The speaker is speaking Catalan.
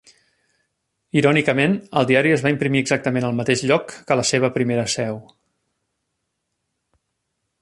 Irònicament, el diari es va imprimir exactament al mateix lloc que la seva primera seu.